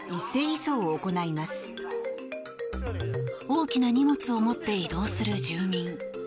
大きな荷物を持って移動する住民。